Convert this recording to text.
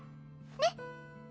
ねっ？